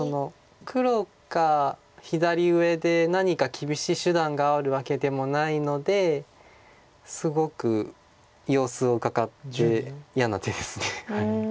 黒が左上で何か厳しい手段があるわけでもないのですごく様子をうかがって嫌な手です。